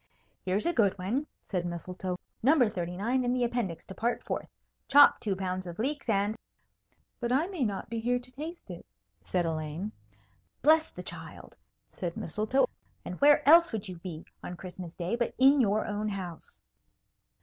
"Here's a good one," said Mistletoe. "Number 39, in the Appendix to Part Fourth. Chop two pounds of leeks and " "But I may not be here to taste it," said Elaine. "Bless the child!" said Mistletoe. "And where else would you be on Christmas day but in your own house?"